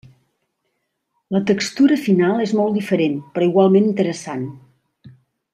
La textura final és molt diferent, però igualment interessant.